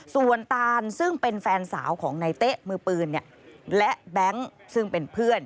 ส่วนตานซึ่งเป็นแฟนสาวของนายเต๊ะมือปืนและแบงค์ซึ่งเป็นเพื่อน